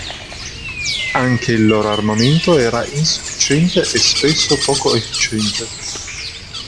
Anche il loro armamento era insufficiente e spesso poco efficiente.